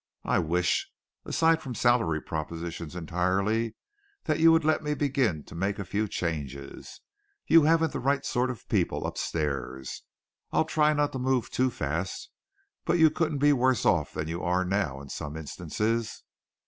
I wish, aside from salary proposition entirely, that you would let me begin to make a few changes. You haven't the right sort of people upstairs. I'll try not to move too fast, but you couldn't be worse off than you are now in some instances."